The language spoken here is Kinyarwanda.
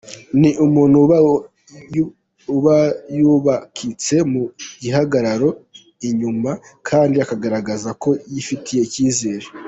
Ni umuntu uba yubakitse mu gihagararo inyuma, kandi akagaragaza ko yifitiye icyizere.